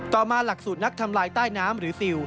ต่อมาหลักสูตรนักทำลายใต้น้ำหรือซิล